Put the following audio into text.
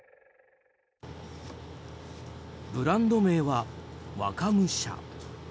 ブランド名は若武者。